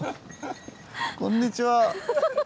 こんにちは。